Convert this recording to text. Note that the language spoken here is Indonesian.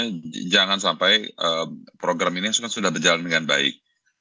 karena jangan sampai program ini sudah berjalan dengan baik